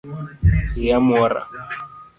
Iya mwora